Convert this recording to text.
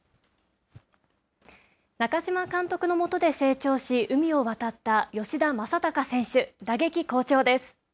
中嶋監督のもとで成長し海を渡った吉田正尚選手。